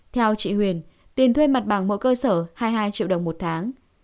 theo chị huyền tiền thuê mặt bằng mỗi cơ sở hai mươi hai triệu đồng một tháng